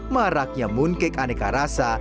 maraknya mooncake aneka rasa